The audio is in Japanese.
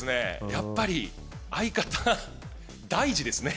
やっぱり相方大事ですね